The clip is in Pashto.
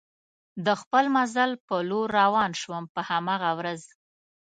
د خپل مزل په لور روان شوم، په هماغه ورځ.